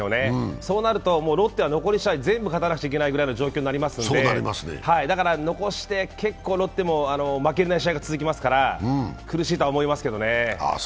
そうなると、もうロッテは残り試合全部勝たなければいけないくらいになりますから、だから残り試合、結構ロッテも負けれない試合が続きますから苦しいとは思いますけどね。